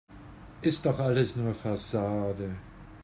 Ist doch alles nur Fassade.